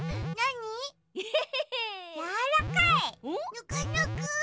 ぬくぬく！